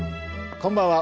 こんばんは。